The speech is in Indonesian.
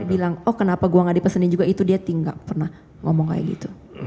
dia bilang oh kenapa gue tidak dipesankan juga itu dia tidak pernah ngomong seperti itu